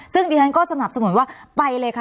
ซึ่งดิฉันก็สนับสนุนว่าไปเลยค่ะ